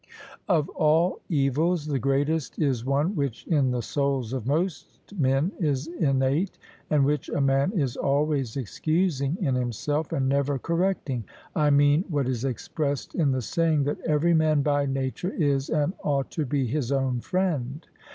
Of all evils the greatest is one which in the souls of most men is innate, and which a man is always excusing in himself and never correcting; I mean, what is expressed in the saying that 'Every man by nature is and ought to be his own friend.'